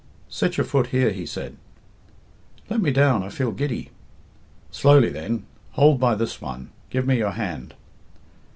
"Set your foot here," he said. "Let me down, I feel giddy." "Slowly, then. Hold by this one. Give me your hand."